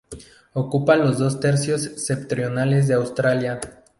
Ocupa los dos tercios septentrionales de Australia.